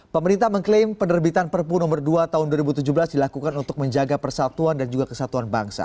pemerintah mengklaim penerbitan perpu nomor dua tahun dua ribu tujuh belas dilakukan untuk menjaga persatuan dan juga kesatuan bangsa